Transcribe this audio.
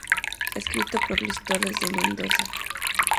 Escrito por Luis Torres de Mendoza.